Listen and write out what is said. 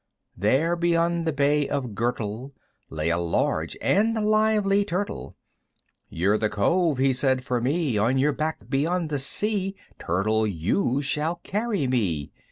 There beyond the Bay of Gurtle, Lay a large and lively Turtle; "You're the Cove," he said, "for me; "On your back beyond the sea, "Turtle, you shall carry me!"